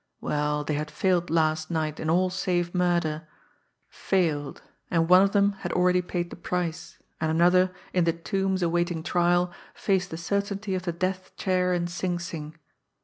Well, they had failed last night in all save murder! Failed and one of them had already paid the price, and another, in the Tombs awaiting trial, faced the certainty of the death chair in Sing Sing!